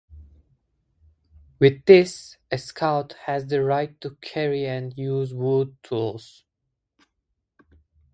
With this, a Scout has the right to carry and use woods tools.